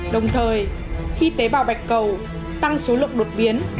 đồng thời khi tế bào bạch cầu tăng số lượng đột biến